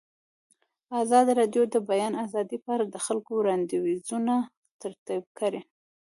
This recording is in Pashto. ازادي راډیو د د بیان آزادي په اړه د خلکو وړاندیزونه ترتیب کړي.